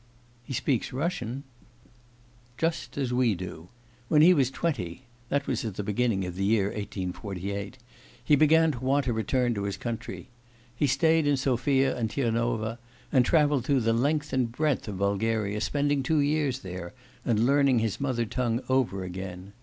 'He speaks Russian?' 'Just as we do. When he was twenty (that was at the beginning of the year 1848) he began to want to return to his country. He stayed in Sophia and Tirnova, and travelled through the length and breadth of Bulgaria, spending two years there, and learning his mother tongue over again.